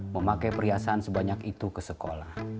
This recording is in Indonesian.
memakai perhiasan sebanyak itu ke sekolah